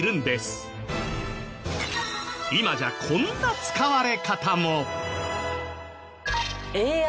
今じゃこんな使われ方も。